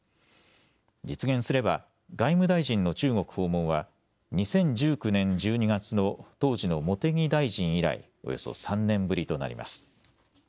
実現すれば外務大臣の中国訪問は２０１９年１２月の当時の茂木大臣以来およそ３年ぶりとなります。